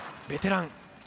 ベテラン。